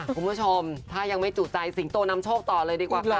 คุณผู้ชมถ้ายังไม่จุใจสิงโตนำโชคต่อเลยดีกว่าค่ะ